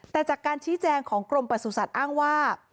แต่จากการชี้แจงของกรมประสุทธิ์อ้างว่า